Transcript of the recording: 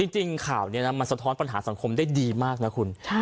จริงข่าวนี้มันสะท้อนปัญหาสังคมได้ดีมากนะคุณ